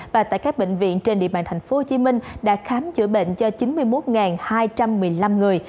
và tại các bệnh viện trên địa bàn thành phố hồ chí minh đã khám chữa bệnh cho chín mươi một hai trăm một mươi năm người